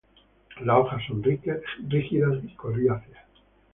Las hojas son rígidas y coriáceas.